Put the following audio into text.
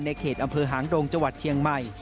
เขตอำเภอหางดงจังหวัดเชียงใหม่